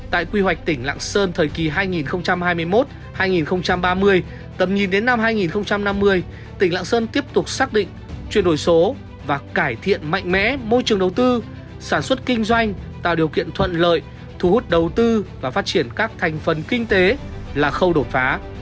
tại quy hoạch tỉnh lạng sơn thời kỳ hai nghìn hai mươi một hai nghìn ba mươi tầm nhìn đến năm hai nghìn năm mươi tỉnh lạng sơn tiếp tục xác định chuyển đổi số và cải thiện mạnh mẽ môi trường đầu tư sản xuất kinh doanh tạo điều kiện thuận lợi thu hút đầu tư và phát triển các thành phần kinh tế là khâu đột phá